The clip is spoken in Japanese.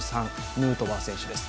ヌートバー選手です。